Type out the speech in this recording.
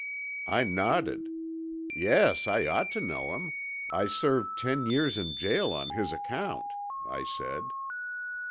"I nodded. 'Yes, I ought to know him. I served ten years in jail on his account,' I said.